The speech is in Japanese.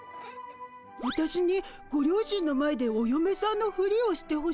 わたしにご両親の前でおよめさんのフリをしてほしいってこと？